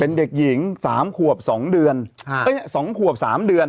เป็นเด็กหญิง๓ขวบ๒เดือน๒ขวบ๓เดือน